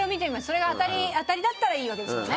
それがあたりあたりだったらいいわけですよね。